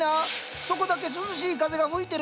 そこだけ涼しい風が吹いてるみたいじゃん。